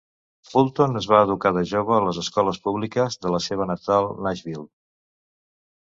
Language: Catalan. Fulton es va educar de jove a les escoles públiques de la seva natal Nashville.